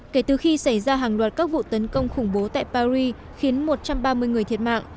kể từ khi xảy ra hàng loạt các vụ tấn công khủng bố tại paris khiến một trăm ba mươi người thiệt mạng